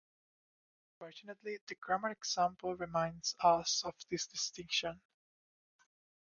Fortunately, the grammar example reminds us of this distinction.